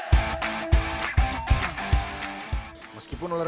meskipun olahraga rugby masih belum populer